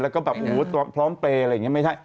แล้วก็แบบโอ้โหพร้อมเปรย์อะไรอย่างนี้ไม่ใช่